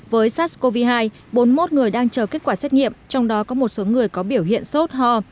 với sars cov hai bốn mươi một người đang chờ kết quả xét nghiệm trong đó có một số người có biểu hiện sốt ho